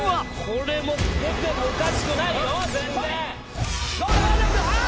これも出てもおかしくないよ。